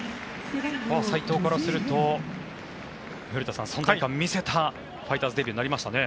齋藤からすると古田さん存在感を見せたファイターズデビューになりましたね。